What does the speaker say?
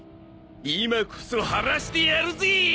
今こそ晴らしてやるぜ！